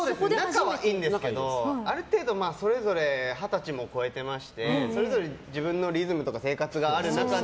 仲はいいんですけどある程度、それぞれ二十歳も越えてましてそれぞれ自分のリズムとか生活がある中で